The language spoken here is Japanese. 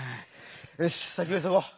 よし先をいそごう。